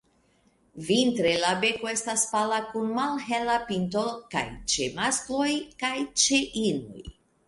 Vintre la beko estas pala kun malhela pinto kaj ĉe maskloj kaj ĉe inoj.